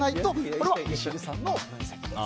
これはミシルさんの分析です。